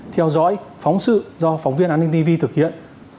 theo dõi phóng sự do phóng viên an ninh tv thực hiện